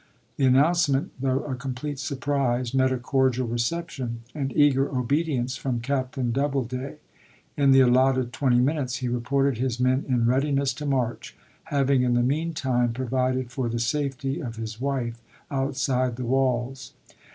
The announcement, though a complete surprise, met a cordial reception and eager obedience from Captain Doubleday. In Doubleday, the allotted twenty minutes, he reported his men in sumterand readiness to march, having in the meantime pro pp. 6i 63. vided for the safety of his wife outside the walls.